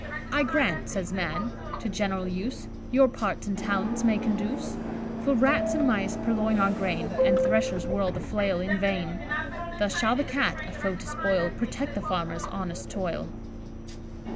'I grant,' says Man, 'to general use Your parts and talents may conduce; For rats and mice purloin our grain, And threshers whirl the flail in vain; Thus shall the Cat, a foe to spoil, Protect the farmers' honest toil.